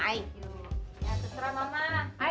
ya terserah mama